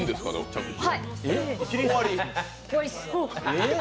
着地？